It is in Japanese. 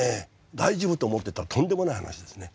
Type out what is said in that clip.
大丈夫と思ってたらとんでもない話ですね。